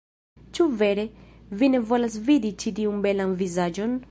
Ĉu vere? Vi ne volas vidi ĉi tiun belan vizaĝon?